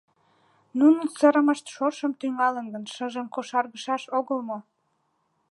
Нунын сырымышт шошым тӱҥалын гын, шыжым кошаргышаш огыл мо?